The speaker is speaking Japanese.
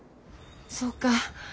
そうか。